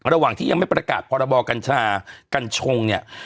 ระหว่างที่ยังไม่ประกาศพรบกัญชากัญชงเนี่ย